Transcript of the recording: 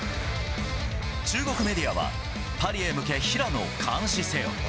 中国メディアは、パリへ向け、平野を監視せよ。